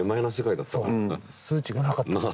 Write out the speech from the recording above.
数値がなかったからね。